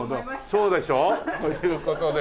そうでしょ？という事で。